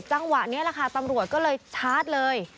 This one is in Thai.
จังหวะนี้แหละค่ะตำรวจก็เลยชาร์จเลย